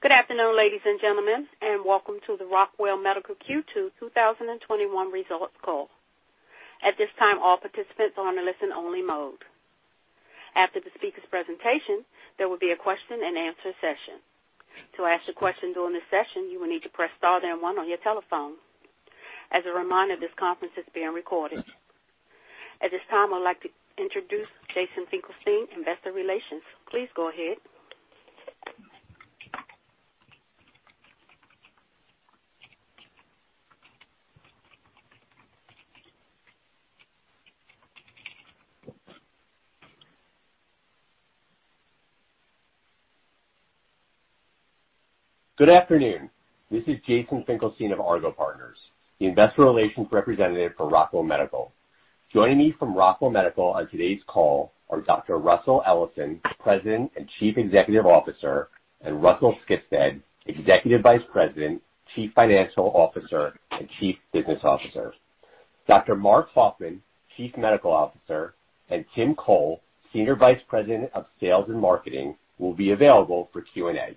Good afternoon, ladies and gentlemen, and welcome to the Rockwell Medical Q2 2021 results call. At this time, all participants are on a listen-only mode. After the speaker's presentation, there will be a question and answer session. To ask a question during this session you will need to press star one on your telephone. As a reminder, this conference is being recorded. At this time, I would like to introduce Jason Finkelstein, Investor Relations. Please go ahead. Good afternoon. This is Jason Finkelstein of Argot Partners, the investor relations representative for Rockwell Medical. Joining me from Rockwell Medical on today's call are Dr. Russell H. Ellison, President and Chief Executive Officer, and Russell Skibsted, Executive Vice President, Chief Financial Officer, and Chief Business Officer. Dr. Mark Strobeck, Chief Medical Officer, and Tim Chole, Senior Vice President of Sales and Marketing, will be available for Q&A.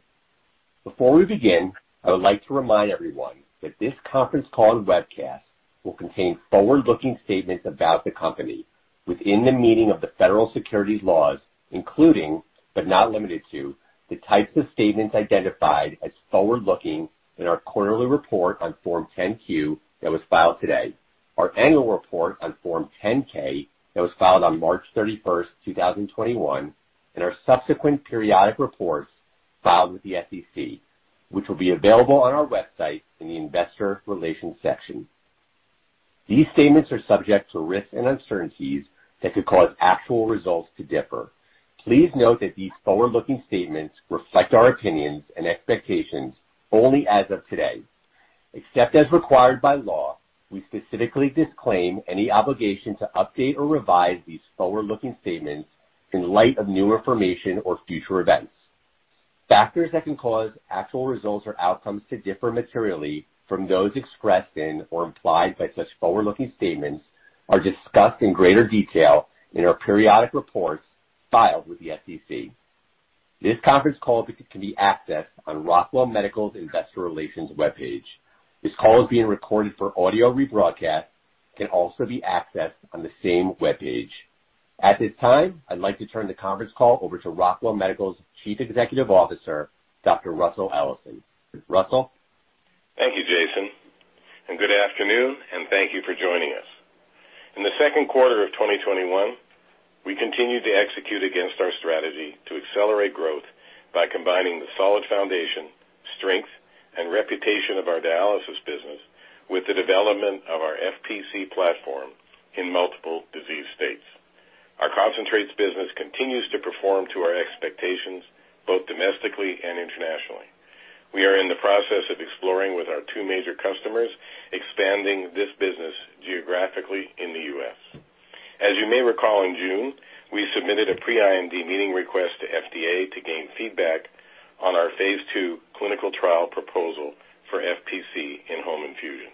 Before we begin, I would like to remind everyone that this conference call and webcast will contain forward-looking statements about the company within the meaning of the federal securities laws, including but not limited to the types of statements identified as forward-looking in our quarterly report on Form 10-Q that was filed today, our annual report on Form 10-K that was filed on March 31st, 2021, and our subsequent periodic reports filed with the SEC, which will be available on our website in the investor relations section. These statements are subject to risks and uncertainties that could cause actual results to differ. Please note that these forward-looking statements reflect our opinions and expectations only as of today. Except as required by law, we specifically disclaim any obligation to update or revise these forward-looking statements in light of new information or future events. Factors that can cause actual results or outcomes to differ materially from those expressed in or implied by such forward-looking statements are discussed in greater detail in our periodic reports filed with the SEC. This conference call can be accessed on Rockwell Medical's investor relations webpage. This call is being recorded for audio rebroadcast and can also be accessed on the same webpage. At this time, I'd like to turn the conference call over to Rockwell Medical's Chief Executive Officer, Dr. Russell H. Ellison. Russell? Thank you, Jason. Good afternoon, and thank you for joining us. In the second quarter of 2021, we continued to execute against our strategy to accelerate growth by combining the solid foundation, strength, and reputation of our dialysis business with the development of our FPC platform in multiple disease states. Our concentrates business continues to perform to our expectations both domestically and internationally. We are in the process of exploring with our two major customers expanding this business geographically in the U.S. As you may recall, in June, we submitted a pre-IND meeting request to FDA to gain feedback on our phase II clinical trial proposal for FPC in home infusion.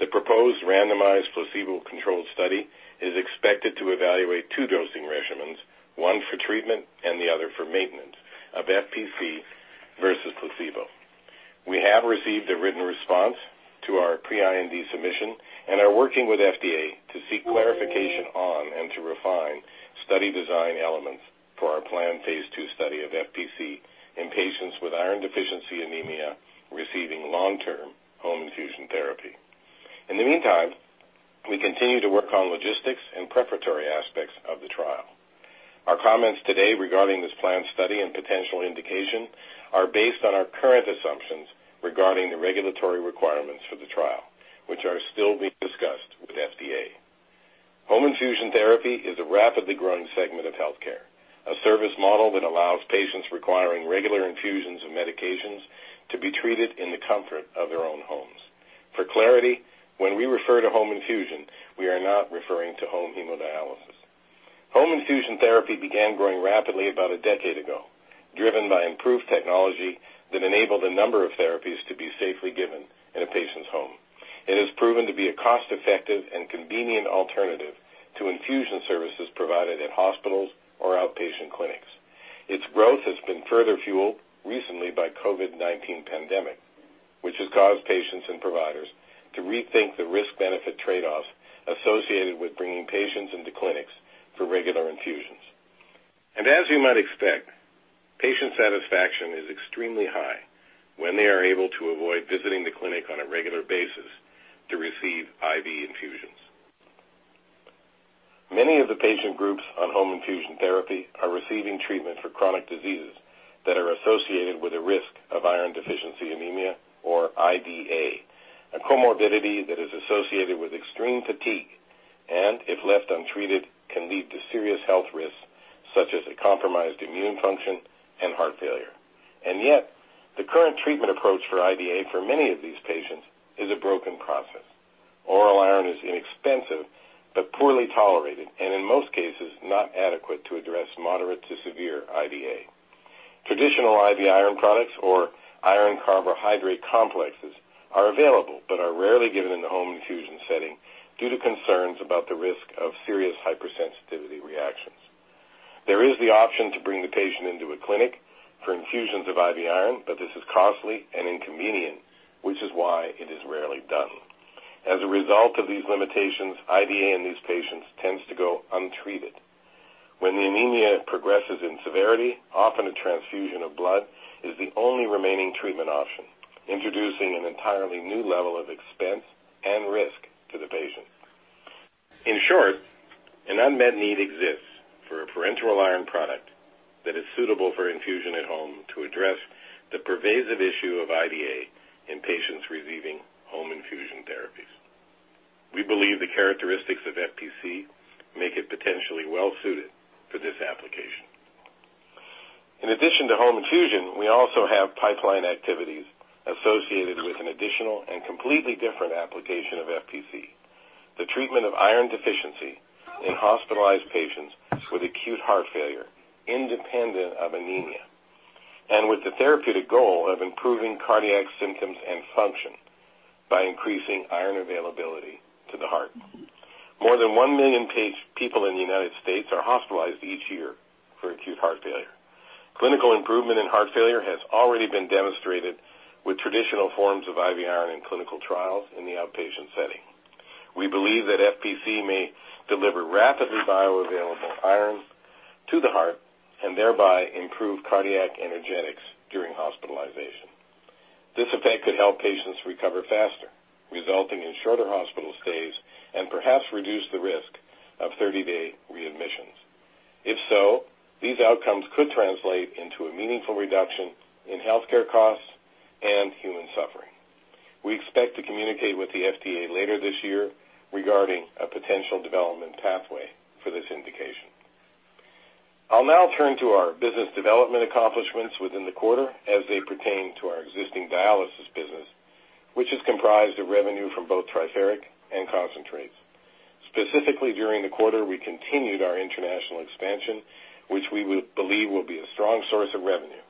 The proposed randomized placebo-controlled study is expected to evaluate two dosing regimens, one for treatment and the other for maintenance of FPC versus placebo. We have received a written response to our pre-IND submission and are working with FDA to seek clarification on and to refine study design elements for our planned phase II study of FPC in patients with iron deficiency anemia receiving long-term home infusion therapy. In the meantime, we continue to work on logistics and preparatory aspects of the trial. Our comments today regarding this planned study and potential indication are based on our current assumptions regarding the regulatory requirements for the trial, which are still being discussed with FDA. Home infusion therapy is a rapidly growing segment of healthcare, a service model that allows patients requiring regular infusions of medications to be treated in the comfort of their own homes. For clarity, when we refer to home infusion, we are not referring to home hemodialysis. Home infusion therapy began growing rapidly about one decade ago, driven by improved technology that enabled a number of therapies to be safely given in a patient's home. It has proven to be a cost-effective and convenient alternative to infusion services provided at hospitals or outpatient clinics. Its growth has been further fueled recently by COVID-19 pandemic, which has caused patients and providers to rethink the risk-benefit trade-offs associated with bringing patients into clinics for regular infusions. As you might expect, patient satisfaction is extremely high when they are able to avoid visiting the clinic on a regular basis to receive IV infusions. Many of the patient groups on home infusion therapy are receiving treatment for chronic diseases that are associated with a risk of iron deficiency anemia, or IDA, a comorbidity that is associated with extreme fatigue and, if left untreated, can lead to serious health risks such as a compromised immune function and heart failure. Yet, the current treatment approach for IDA for many of these patients is a broken process. Oral iron is inexpensive but poorly tolerated and, in most cases, not adequate to address moderate to severe IDA. Traditional IV iron products or iron carbohydrate complexes are available but are rarely given in the home infusion setting due to concerns about the risk of serious hypersensitivity reactions. There is the option to bring the patient into a clinic for infusions of IV iron, but this is costly and inconvenient, which is why it is rarely done. As a result of these limitations, IDA in these patients tends to go untreated. When the anemia progresses in severity, often a transfusion of blood is the only remaining treatment option, introducing an entirely new level of expense and risk to the patient. In short, an unmet need exists for a parenteral iron product that is suitable for infusion at home to address the pervasive issue of IDA in patients receiving home infusion therapies. We believe the characteristics of FPC make it potentially well-suited for this application. In addition to home infusion, we also have pipeline activities associated with an additional and completely different application of FPC, the treatment of iron deficiency in hospitalized patients with acute heart failure independent of anemia, and with the therapeutic goal of improving cardiac symptoms and function by increasing iron availability to the heart. More than one million people in the United States are hospitalized each year for acute heart failure. Clinical improvement in heart failure has already been demonstrated with traditional forms of IV iron in clinical trials in the outpatient setting. We believe that FPC may deliver rapidly bioavailable iron to the heart, and thereby improve cardiac energetics during hospitalization. This effect could help patients recover faster, resulting in shorter hospital stays, and perhaps reduce the risk of 30-day readmissions. If so, these outcomes could translate into a meaningful reduction in healthcare costs and human suffering. We expect to communicate with the FDA later this year regarding a potential development pathway for this indication. I'll now turn to our business development accomplishments within the quarter as they pertain to our existing dialysis business, which is comprised of revenue from both Triferic and concentrates. Specifically during the quarter, we continued our international expansion, which we believe will be a strong source of revenue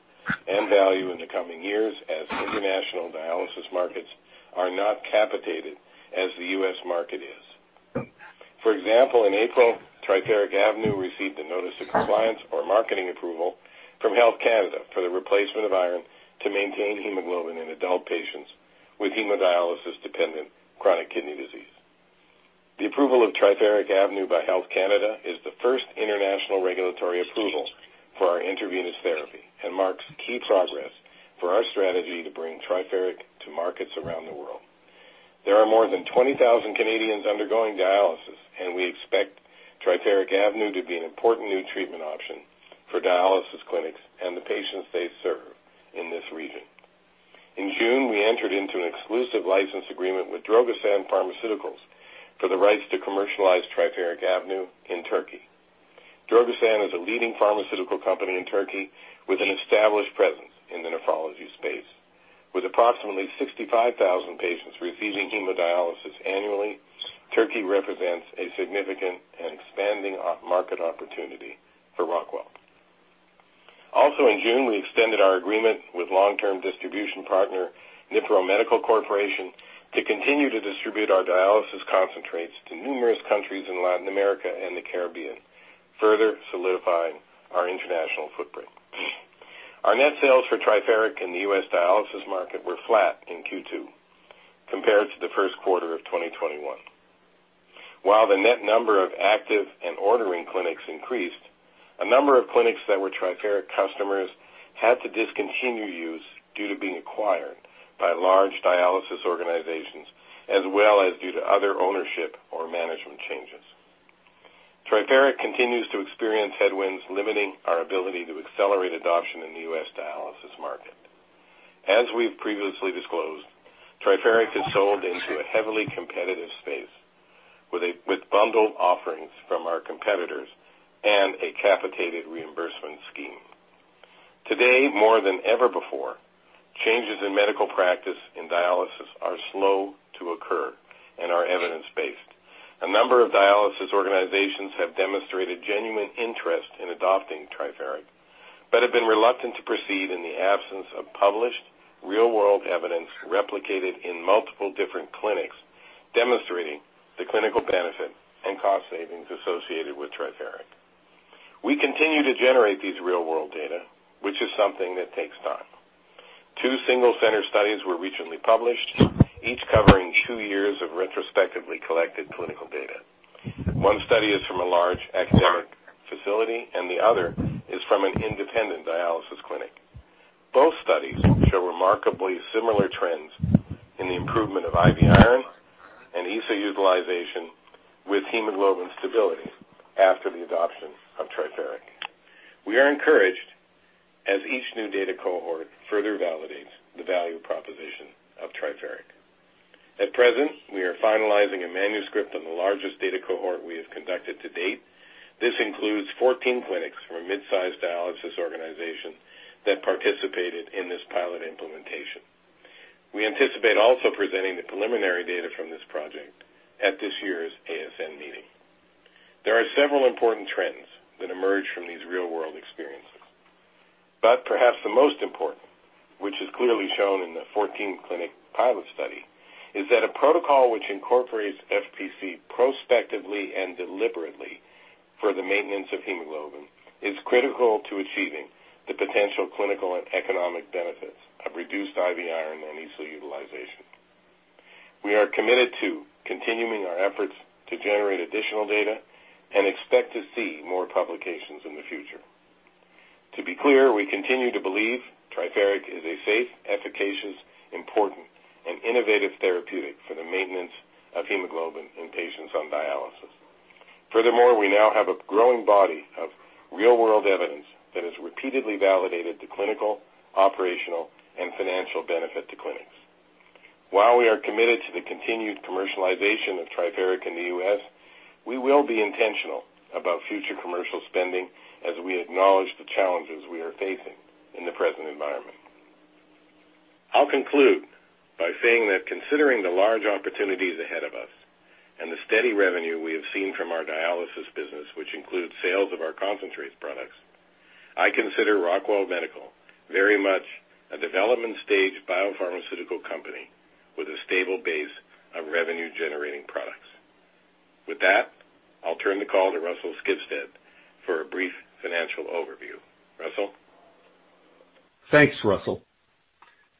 and value in the coming years as international dialysis markets are not capitated as the U.S. market is. For example, in April, Triferic AVNU received a notice of compliance or marketing approval from Health Canada for the replacement of iron to maintain hemoglobin in adult patients with hemodialysis-dependent chronic kidney disease. The approval of Triferic AVNU by Health Canada is the first international regulatory approval for our intravenous therapy and marks key progress for our strategy to bring Triferic to markets around the world. There are more than 20,000 Canadians undergoing dialysis, and we expect Triferic AVNU to be an important new treatment option for dialysis clinics and the patients they serve in this region. In June, we entered into an exclusive license agreement with Drogsan Pharmaceuticals for the rights to commercialize Triferic AVNU in Turkey. Drogsan is a leading pharmaceutical company in Turkey with an established presence in the nephrology space. With approximately 65,000 patients receiving hemodialysis annually, Turkey represents a significant and expanding market opportunity for Rockwell. Also in June, we extended our agreement with long-term distribution partner, Nipro Medical Corporation, to continue to distribute our dialysis concentrates to numerous countries in Latin America and the Caribbean, further solidifying our international footprint. Our net sales for Triferic in the U.S. dialysis market were flat in Q2 compared to the first quarter of 2021. While the net number of active and ordering clinics increased, a number of clinics that were Triferic customers had to discontinue use due to being acquired by large dialysis organizations, as well as due to other ownership or management changes. Triferic continues to experience headwinds limiting our ability to accelerate adoption in the U.S. dialysis market. As we've previously disclosed, Triferic is sold into a heavily competitive space with bundled offerings from our competitors and a capitated reimbursement scheme. Today, more than ever before, changes in medical practice in dialysis are slow to occur and are evidence-based. A number of dialysis organizations have demonstrated genuine interest in adopting Triferic, but have been reluctant to proceed in the absence of published real-world evidence replicated in multiple different clinics demonstrating the clinical benefit and cost savings associated with Triferic. We continue to generate these real-world data, which is something that takes time. Two single-center studies were recently published, each covering two years of retrospectively collected clinical data. One study is from a large academic facility, and the other is from an independent dialysis clinic. Both studies show remarkably similar trends in the improvement of IV iron and ESA utilization with hemoglobin stability after the adoption of Triferic. We are encouraged as each new data cohort further validates the value proposition of Triferic. At present, we are finalizing a manuscript on the largest data cohort we have conducted to date. This includes 14 clinics from a mid-sized dialysis organization that participated in this pilot implementation. We anticipate also presenting the preliminary data from this project at this year's ASN meeting. There are several important trends that emerge from these real-world experiences. Perhaps the most important, which is clearly shown in the 14-clinic pilot study, is that a protocol which incorporates FPC prospectively and deliberately for the maintenance of hemoglobin is critical to achieving the potential clinical and economic benefits of reduced IV iron and ESA utilization. We are committed to continuing our efforts to generate additional data and expect to see more publications in the future. To be clear, we continue to believe Triferic is a safe, efficacious, important, and innovative therapeutic for the maintenance of hemoglobin in patients on dialysis. Furthermore, we now have a growing body of real-world evidence that has repeatedly validated the clinical, operational, and financial benefit to clinics. While we are committed to the continued commercialization of Triferic in the U.S., we will be intentional about future commercial spending as we acknowledge the challenges we are facing in the present environment. I'll conclude by saying that considering the large opportunities ahead of us and the steady revenue we have seen from our dialysis business, which includes sales of our concentrates products, I consider Rockwell Medical very much a development stage biopharmaceutical company with a stable base of revenue-generating products. With that, I'll turn the call to Russell Skibsted for a brief financial overview. Russell? Thanks, Russell.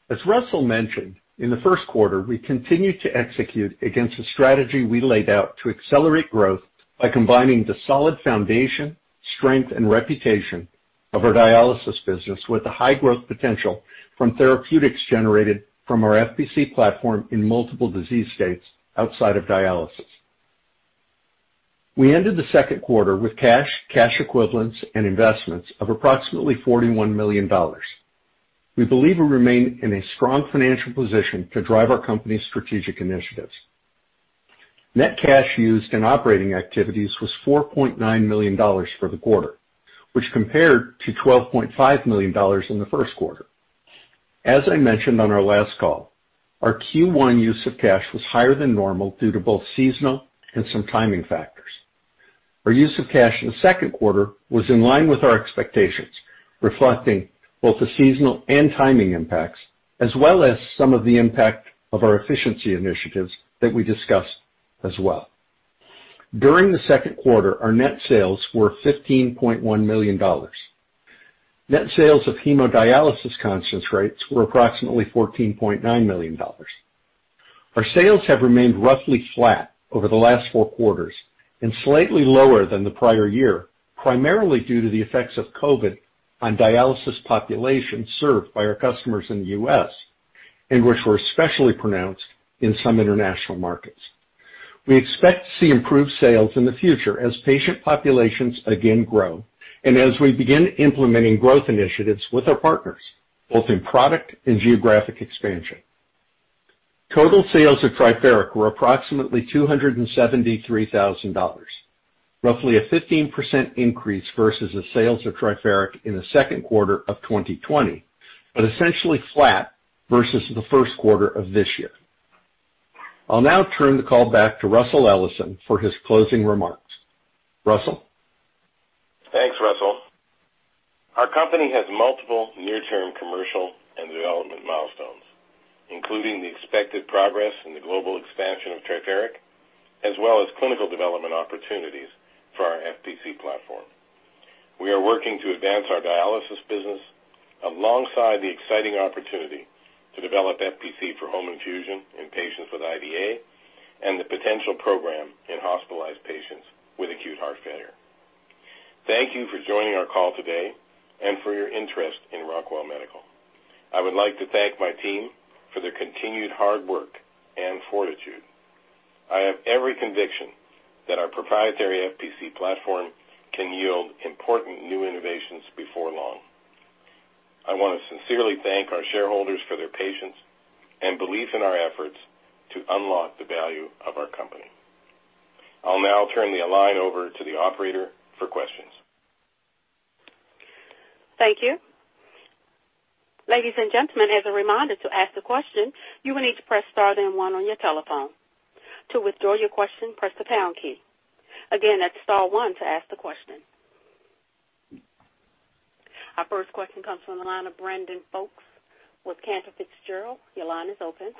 As Russell mentioned, in the first quarter, we continued to execute against the strategy we laid out to accelerate growth by combining the solid foundation, strength, and reputation of our dialysis business with the high growth potential from therapeutics generated from our FPC platform in multiple disease states outside of dialysis. We ended the second quarter with cash equivalents, and investments of approximately $41 million. We believe we remain in a strong financial position to drive our company's strategic initiatives. Net cash used in operating activities was $4.9 million for the quarter, which compared to $12.5 million in the first quarter. As I mentioned on our last call, our Q1 use of cash was higher than normal due to both seasonal and some timing factors. Our use of cash in the second quarter was in line with our expectations, reflecting both the seasonal and timing impacts, as well as some of the impact of our efficiency initiatives that we discussed as well. During the second quarter, our net sales were $15.1 million. Net sales of hemodialysis concentrates were approximately $14.9 million. Our sales have remained roughly flat over the last four quarters and slightly lower than the prior year, primarily due to the effects of COVID-19 on dialysis populations served by our customers in the U.S., and which were especially pronounced in some international markets. We expect to see improved sales in the future as patient populations again grow, and as we begin implementing growth initiatives with our partners, both in product and geographic expansion. Total sales of Triferic were approximately $273,000, roughly a 15% increase versus the sales of Triferic in the second quarter of 2020, but essentially flat versus the first quarter of this year. I'll now turn the call back to Russell Ellison for his closing remarks. Russell? Thanks, Russell. Our company has multiple near-term commercial and development milestones, including the expected progress in the global expansion of Triferic, as well as clinical development opportunities for our FPC platform. We are working to advance our dialysis business alongside the exciting opportunity to develop FPC for home infusion in patients with IDA and the potential program in hospitalized patients with acute heart failure. Thank you for joining our call today and for your interest in Rockwell Medical. I would like to thank my team for their continued hard work and fortitude. I have every conviction that our proprietary FPC platform can yield important new innovations before long. I want to sincerely thank our shareholders for their patience and belief in our efforts to unlock the value of our company. I'll now turn the line over to the operator for questions. Thank you. Ladies and gentlemen, as a reminder, to ask the question, you will need to press star then one on your telephone. To withdraw your question, press the pound key. Again, that's star one to ask the question. Our first question comes from the line of Brandon Folkes with Cantor Fitzgerald. Your line is open.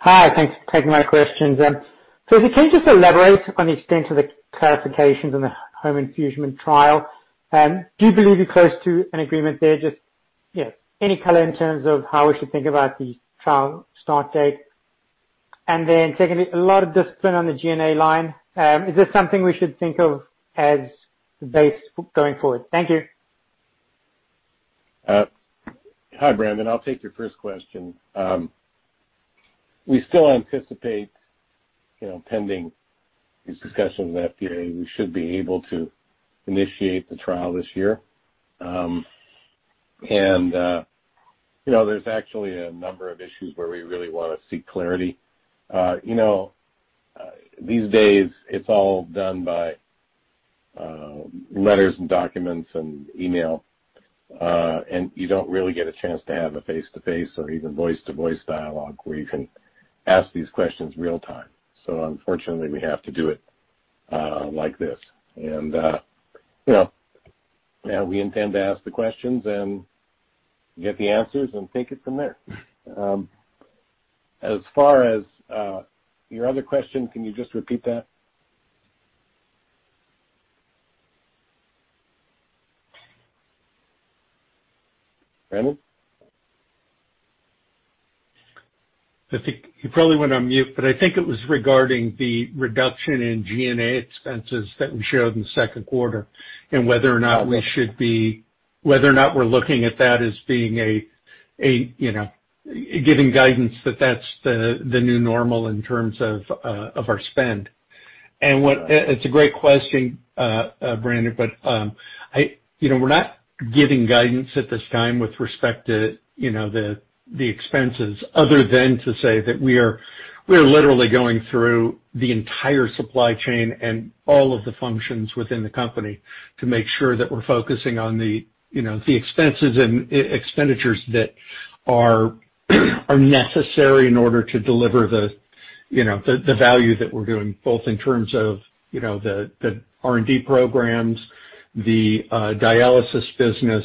Hi, thanks for taking my questions. If you can just elaborate on the extent of the clarifications in the home infusion trial. Do you believe you're close to an agreement there? Just any color in terms of how we should think about the trial start date? Secondly, a lot of discipline on the G&A line. Is this something we should think of as the base going forward? Thank you. Hi, Brandon. I'll take your first question. We still anticipate pending these discussions with the FDA, we should be able to initiate the trial this year. There's actually a number of issues where we really want to seek clarity. These days it's all done by letters and documents and email. You don't really get a chance to have a face-to-face or even voice-to-voice dialogue where you can ask these questions real time. Unfortunately, we have to do it like this. We intend to ask the questions and get the answers and take it from there. As far as your other question, can you just repeat that? Brandon? I think he probably went on mute, but I think it was regarding the reduction in G&A expenses that we showed in the second quarter and whether or not we're looking at that as giving guidance that that's the new normal in terms of our spend. It's a great question, Brandon, but we're not giving guidance at this time with respect to the expenses other than to say that we're literally going through the entire supply chain and all of the functions within the company to make sure that we're focusing on the expenses and expenditures that are necessary in order to deliver the value that we're doing, both in terms of the R&D programs, the dialysis business.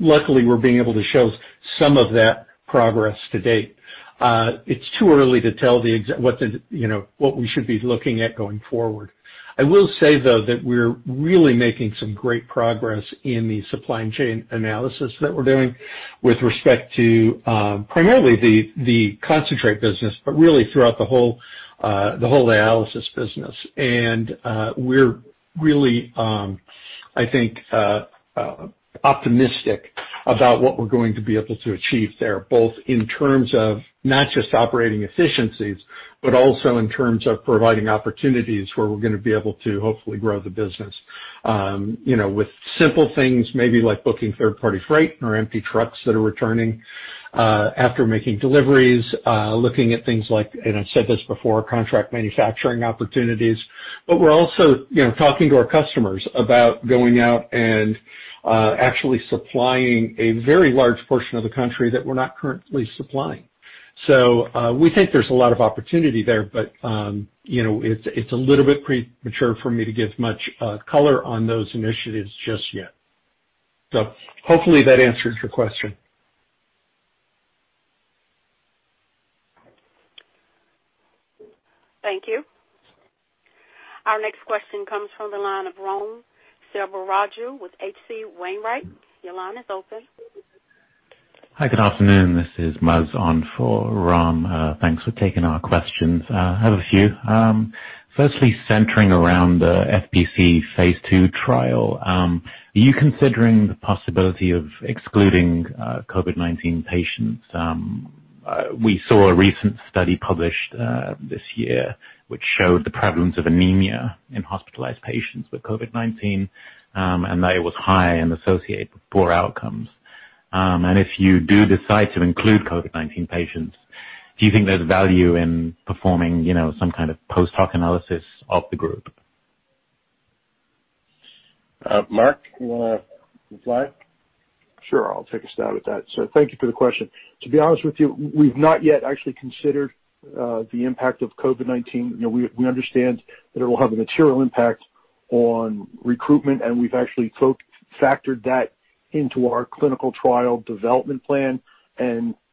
Luckily, we're being able to show some of that progress to date. It's too early to tell what we should be looking at going forward. I will say, though, that we're really making some great progress in the supply chain analysis that we're doing with respect to primarily the concentrate business, but really throughout the whole dialysis business. We're really, I think, optimistic about what we're going to be able to achieve there, both in terms of not just operating efficiencies, but also in terms of providing opportunities where we're going to be able to hopefully grow the business. With simple things maybe like booking third party freight or empty trucks that are returning after making deliveries, looking at things like, and I said this before, contract manufacturing opportunities. We're also talking to our customers about going out and actually supplying a very large portion of the country that we're not currently supplying. We think there's a lot of opportunity there. It's a little bit premature for me to give much color on those initiatives just yet. Hopefully that answers your question. Thank you. Our next question comes from the line of Ram Selvaraju with H.C. Wainwright. Your line is open. Hi, good afternoon. This is Muzz on for Ram. Thanks for taking our questions. I have a few. Firstly, centering around the FPC phase II trial, are you considering the possibility of excluding COVID-19 patients? We saw a recent study published this year which showed the prevalence of anemia in hospitalized patients with COVID-19, and that it was high and associated with poor outcomes. If you do decide to include COVID-19 patients, do you think there's value in performing some kind of post hoc analysis of the group? Mark, you want to reply? Sure. I'll take a stab at that. Thank you for the question. To be honest with you, we've not yet actually considered the impact of COVID-19. We understand that it will have a material impact on recruitment, and we've actually factored that into our clinical trial development plan.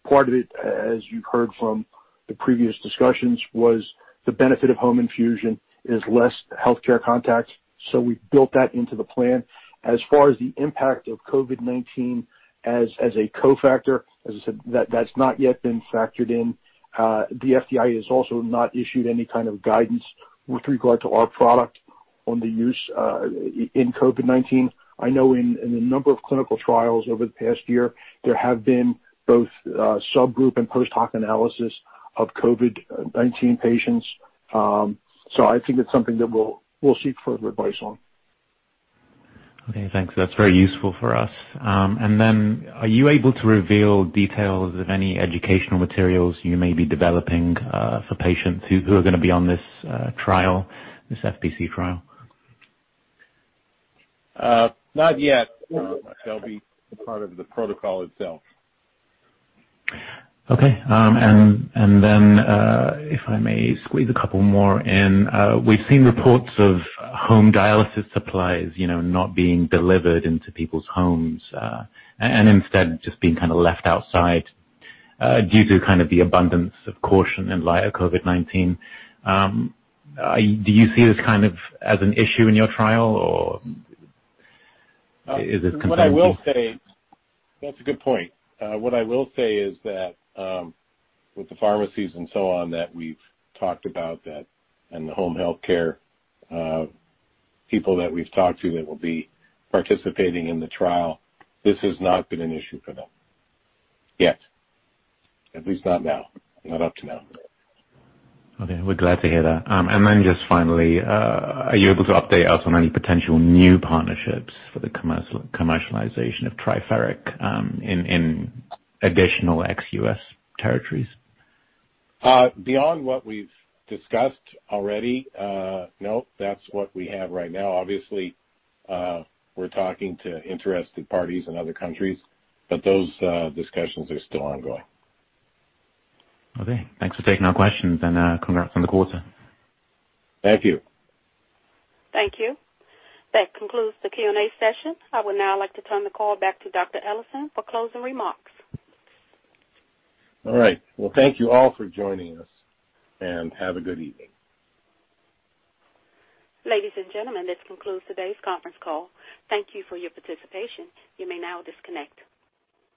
Part of it, as you've heard from the previous discussions, was the benefit of home infusion is less healthcare contact. We've built that into the plan. As far as the impact of COVID-19 as a cofactor, as I said, that's not yet been factored in. The FDA has also not issued any kind of guidance with regard to our product on the use in COVID-19. I know in a number of clinical trials over the past year, there have been both subgroup and post hoc analysis of COVID-19 patients. I think that's something that we'll seek further advice on. Okay, thanks. That's very useful for us. Are you able to reveal details of any educational materials you may be developing for patients who are going to be on this FPC trial? Not yet. That'll be part of the protocol itself. Okay. If I may squeeze a couple more in. We've seen reports of home dialysis supplies not being delivered into people's homes, and instead just being left outside due to the abundance of caution in light of COVID-19. Do you see this as an issue in your trial? That's a good point. What I will say is that with the pharmacies and so on that we've talked about that, and the home healthcare people that we've talked to that will be participating in the trial, this has not been an issue for them yet. At least not now. Not up to now. Okay. We're glad to hear that. Then just finally, are you able to update us on any potential new partnerships for the commercialization of Triferic in additional ex-U.S. territories? Beyond what we've discussed already, no. That's what we have right now. Obviously, we're talking to interested parties in other countries, but those discussions are still ongoing. Okay. Thanks for taking our questions and congrats on the quarter. Thank you. Thank you. That concludes the Q&A session. I would now like to turn the call back to Dr. Ellison for closing remarks. All right. Well, thank you all for joining us, and have a good evening. Ladies and gentlemen, this concludes today's conference call. Thank you for your participation. You may now disconnect.